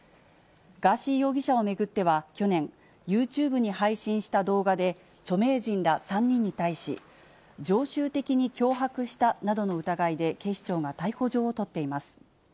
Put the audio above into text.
ガーシー容疑者を巡っては去年、ユーチューブに配信した動画で、著名人ら３人に対し、常習的に脅迫したなどの疑いで、警視庁が逮捕状を取っています。